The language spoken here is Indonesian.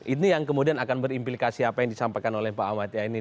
ini yang kemudian akan berimplikasi apa yang disampaikan oleh pak amat ya ini